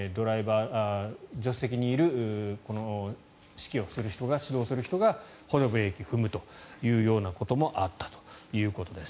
助手席にいる、指導する人が補助ブレーキを踏むというようなこともあったということです。